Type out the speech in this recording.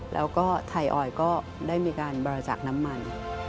แล้วก็ไทยออยก็ได้มีการบริจาคน้ำมัน